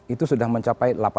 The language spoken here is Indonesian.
itu sudah mencapai